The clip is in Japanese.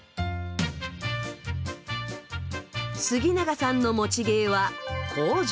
杉長さんの持ち芸は口上。